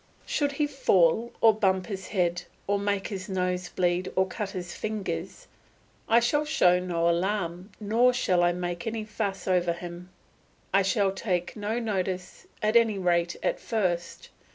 Should he fall or bump his head, or make his nose bleed, or cut his fingers, I shall show no alarm, nor shall I make any fuss over him; I shall take no notice, at any rate at first.